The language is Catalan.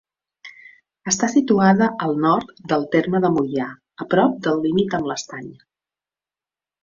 Està situada al nord del terme de Moià, a prop del límit amb l'Estany.